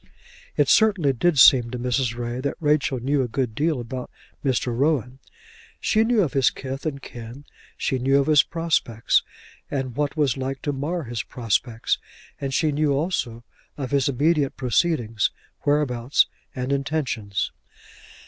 It certainly did seem to Mrs. Ray that Rachel knew a good deal about Mr. Rowan. She knew of his kith and kin, she knew of his prospects and what was like to mar his prospects, and she knew also of his immediate proceedings, whereabouts, and intentions.